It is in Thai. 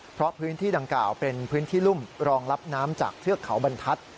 เพราะพื้นที่ดังกล่าวเป็นพื้นที่รุ่มรองรับน้ำจากเทือกเขาบรรทัศน์